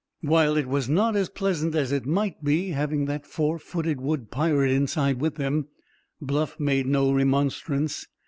While it was not as pleasant as it might be, having that four footed wood pirate inside with them, Bluff made no remonstrance.